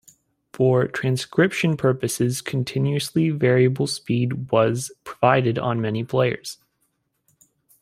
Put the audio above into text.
For transcription purposes, continuously variable speed was provided on many players.